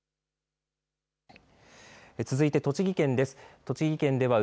続いて栃木県です。